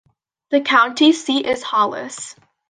The county seat is Hollis.